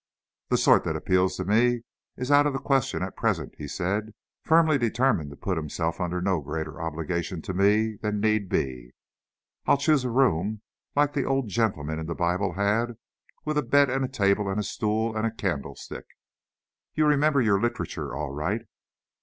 "The sort that appeals to me is out of the question at present," he said, firmly determined to put himself under no greater obligation to me than need be. "I'll choose a room like the old gentleman in the Bible had with a bed and a table and a stool and a candlestick." "You remember your literature all right."